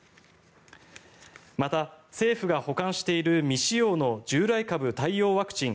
また、政府が保管している未使用の従来株対応ワクチン